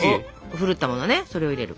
ふるったものねそれを入れる。